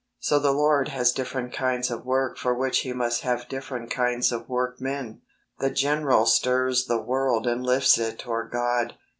So the Lord has different kinds of work for which He must have different kinds of workmen. The General stirs the world and lifts it toward God.